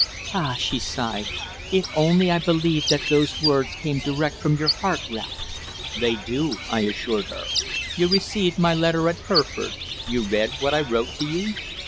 "Ah!" she sighed. "If only I believed that those words came direct from your heart, Ralph!" "They do," I assured her. "You received my letter at Hereford you read what I wrote to you?"